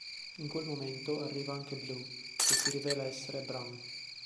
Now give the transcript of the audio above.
In quel momento arriva anche Blue, che si rivela essere Bram.